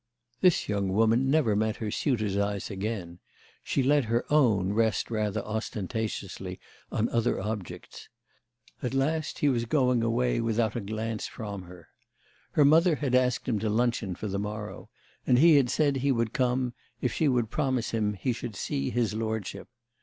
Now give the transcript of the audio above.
This young woman never met her suitor's eyes again; she let her own rest rather ostentatiously on other objects. At last he was going away without a glance from her. Her mother had asked him to luncheon for the morrow, and he had said he would come if she would promise him he should see his lordship.